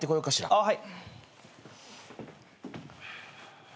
あっはい。